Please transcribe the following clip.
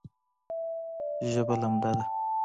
ژبه لمده ده